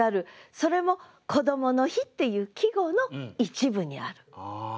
それも「こどもの日」っていう季語の一部にある。